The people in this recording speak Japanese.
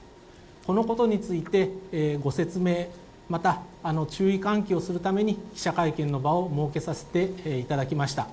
このことについて、ご説明、また注意喚起をするために、記者会見の場を設けさせていただきました。